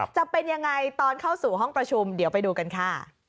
จะเป็นยังไงตอนเข้าสู่ห้องประชุมเดี๋ยวไปดูกันค่ะ